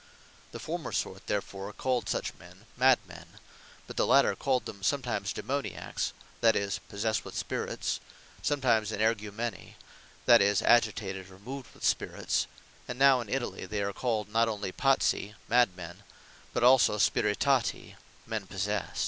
The former sort therefore, called such men, Mad men: but the Later, called them sometimes Daemoniacks, (that is, possessed with spirits;) sometimes Energumeni, (that is agitated, or moved with spirits;) and now in Italy they are called not onely Pazzi, Mad men; but also Spiritati, men possest.